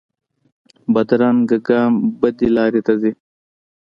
بدرنګه ګام بدې لارې ته ځي